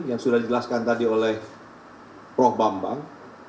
yang sudah dijelaskan tadi oleh prof bambang